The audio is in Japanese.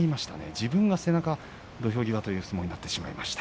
自分が背中、土俵際という相撲になってしまいました。